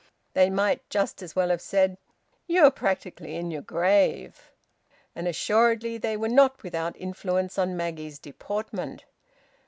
They might just as well have said, "You're practically in your grave." And assuredly they were not without influence on Maggie's deportment.